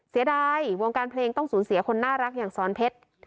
เสียดายวงการเพลงต้องสูญเสียคนน่ารักอย่างสอนเพชร